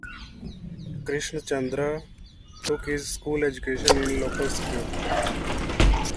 Krishnachandra took his school education in a local school.